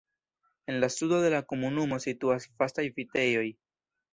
En la sudo de la komunumo situas vastaj vitejoj.